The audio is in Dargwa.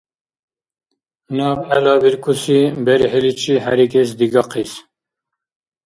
Наб гӀелабиркуси берхӀиличи хӀерикӀес дигахъис.